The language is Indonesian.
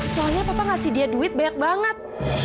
soalnya papa ngasih dia duit banyak banget